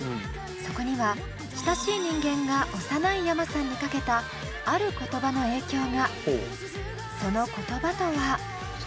そこには親しい人間が幼いｙａｍａさんにかけたある言葉の影響が。